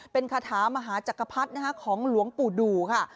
เป็นคาถามหาจักรพรรดิของหลวงปู่ดูค่ะ